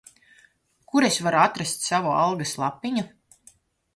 Kur es varu atrast savu algas lapiņu?